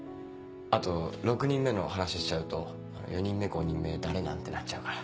あと６人目の話しちゃうと４人目５人目誰なん？ってなっちゃうから。